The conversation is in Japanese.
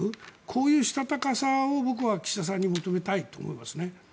こういうしたたかさを僕は岸田さんに求めたいと思いますね。